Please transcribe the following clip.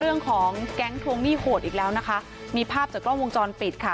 เรื่องของแก๊งทวงหนี้โหดอีกแล้วนะคะมีภาพจากกล้องวงจรปิดค่ะ